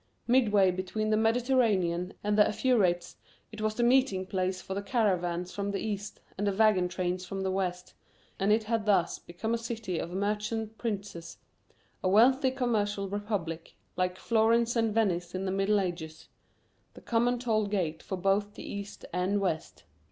Midway between the Mediterranean and the Euphrates, it was the meeting place for the caravans from the east and the wagon trains from the west, and it had thus become a city of merchant princes, a wealthy commercial republic, like Florence and Venice in the middle ages the common toll gate for both the East and West.